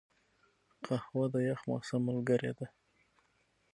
قهوه د یخ موسم ملګرې ده